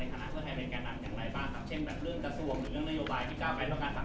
เช่นแบ่นเรื่องกระทรวงเรื่องนโยบายที่ก้าวกายต้องการสั่งอันเป็นหลังที่